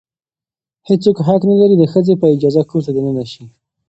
هیڅ څوک حق نه لري د ښځې په اجازې کور ته دننه شي.